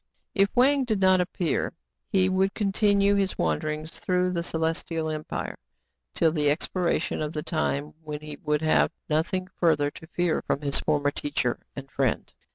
If Wang did not appear, he would continue his wanderings through the Celestial Empire till the expiration of the time when he would have nothing further to fear from his former teacher and friend.